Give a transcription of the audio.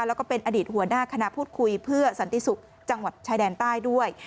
แล้วก็เป็นอดีตหัวหน้าคณะพูดคุยเพื่อสันติศุกร์จังหวัดชายแดนใต้ด้วย